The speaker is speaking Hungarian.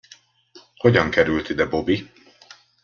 Hogyan került ide Bobby?